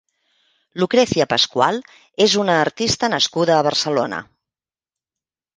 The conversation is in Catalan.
Lucrecia Pascual és una artista nascuda a Barcelona.